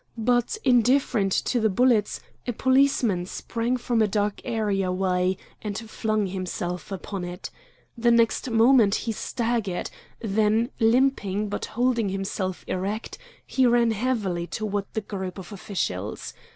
But, indifferent to the bullets, a policeman sprang from a dark areaway and flung himself upon it. The next moment he staggered. Then limping, but holding himself erect, he ran heavily toward the group of officials.